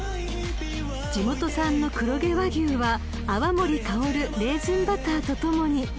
［地元産の黒毛和牛は泡盛香るレーズンバターとともに］